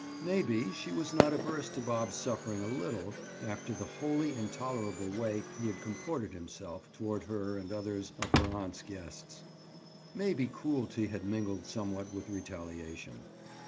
Maybe, she was not averse to Bob's suffering a little after the wholly intolerable way he had comported himself toward her and others of her aunt's guests. Maybe cruelty had mingled somewhat with retaliation.